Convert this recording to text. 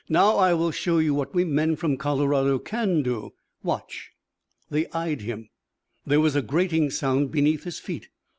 Now I will show you what we men from Colorado can do. Watch." They eyed him. There was a grating sound beneath his feet.